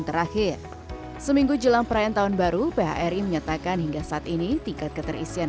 terakhir seminggu jelang perayaan tahun baru phri menyatakan hingga saat ini tingkat keterisian